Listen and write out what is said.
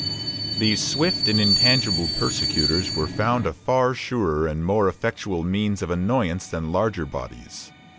These swift and intangible persecutors were found a far surer and more effectual means of annoyance than larger bodies.